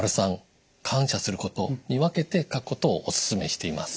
③「感謝すること」に分けて書くことをお勧めしています。